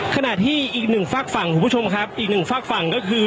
ขณะที่อีกหนึ่งฝากฝั่งคุณผู้ชมครับอีกหนึ่งฝากฝั่งก็คือ